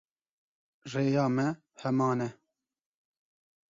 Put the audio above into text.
Rêya me heman e?